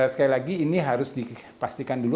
sekali lagi ini harus dipastikan dulu